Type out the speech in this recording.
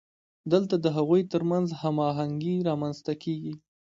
دلته د هغوی ترمنځ هماهنګي رامنځته کیږي.